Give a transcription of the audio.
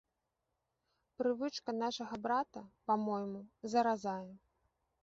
Прывычка нашага брата, па-мойму, заразае.